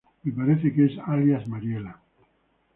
Me parece que es alias mariela.